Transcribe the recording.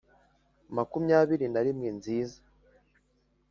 makumyabiri na rimwe nziza